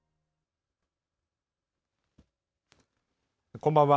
こんばんは。